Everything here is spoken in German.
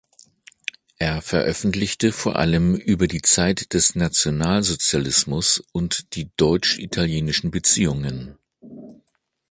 Er veröffentlichte vor allem über die Zeit des Nationalsozialismus und die deutsch-italienischen Beziehungen.